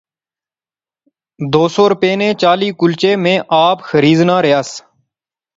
دو سو روپے نے چالی کلچے میں آپ خریزنا ریاس